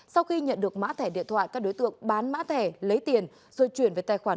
sau khi nhận được mã thẻ điện thoại các đối tượng bán mã thẻ lấy tiền rồi chuyển về tài khoản